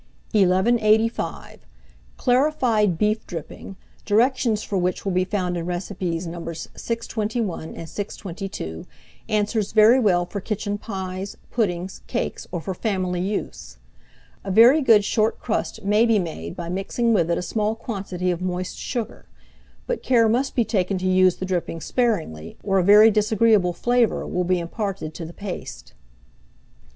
1185. Clarified Beef Dripping, directions for which will be found in recipes Nos. 621 and 622, answers very well for kitchen pies, puddings, cakes, or for family use. A very good short crust may be made by mixing with it a small quantity of moist sugar; but care must be taken to use the dripping sparingly, or a very disagreeable flavour will be imparted to the paste.